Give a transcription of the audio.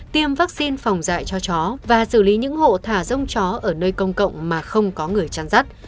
tiêm vaccine phòng dạy cho chó và xử lý những hộ thả rông chó ở nơi công cộng mà không có người chăn rắt